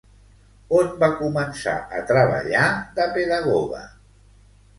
On va començar a treballar de pedagoga?